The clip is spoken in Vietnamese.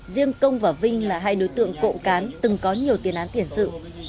riêng công và vinh là hai đối tượng cộng cán từng có nhiều tiền án tiền sự